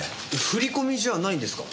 振込みじゃないんですか？